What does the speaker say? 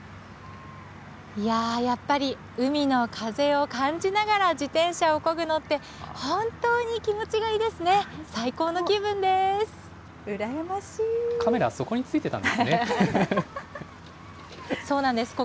やっぱり、海の風を感じながら自転車をこぐのって、本当に気持ちがいいですね。